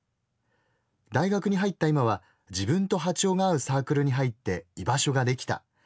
大学に入った今は自分と波長が合うサークルに入って居場所ができた。